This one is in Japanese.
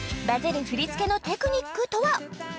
バズる振り付けのテクニックとは？